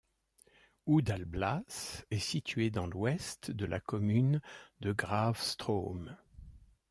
Oud-Alblas est située dans l'ouest de la commune de Graafstroom.